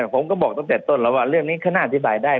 ผมก็บอกตั้งแต่ต้นแล้วว่าเรื่องนี้เขาน่าอธิบายได้